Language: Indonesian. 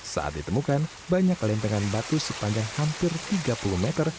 saat ditemukan banyak lempengan batu sepanjang hampir tiga puluh meter